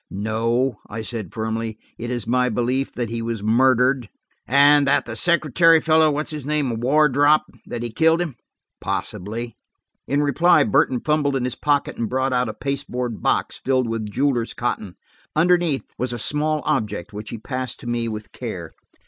"No," I said firmly. "It is my belief that he was murdered." "And that the secretary fellow, what's his name?–Wardrop? that he killed him?" "Possibly." In reply Burton fumbled in his pocket and brought up a pasteboard box, filled with jeweler's cotton. Underneath was a small object, which he passed to me with care.